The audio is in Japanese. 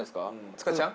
塚ちゃん？